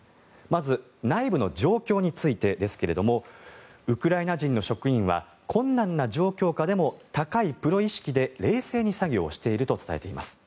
まず、内部の状況についてですがウクライナ人の職員は困難な状況下でも高いプロ意識で冷静に作業していると伝えています。